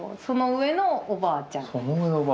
その上のおばあちゃん。